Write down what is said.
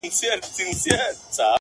خپل یې کلی او دېره- خپله حجره وه-